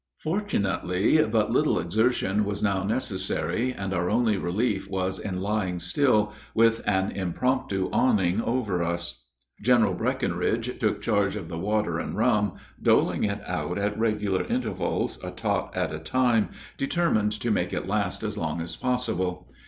Fortunately, but little exertion was now necessary, and our only relief was in lying still, with an impromptu awning over us. General Breckinridge took charge of the water and rum, doling it out at regular intervals, a tot at a time, determined to make it last as long as possible.